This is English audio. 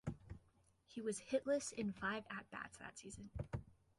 He was hitless in five at bats that season.